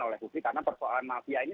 oleh publik karena persoalan mafia ini